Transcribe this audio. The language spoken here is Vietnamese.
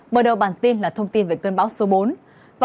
mở đầu bản tin là thông tin về cơn bão số bốn